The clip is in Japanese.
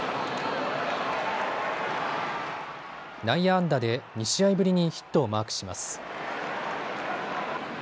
内野安打で２試合ぶりにヒットをマークします。